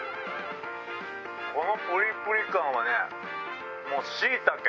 このプリプリ感はねもうシイタケ。